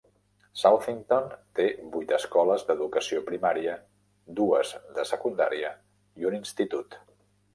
Southington té vuit escoles d'educació primària, dues de secundaria i un institut.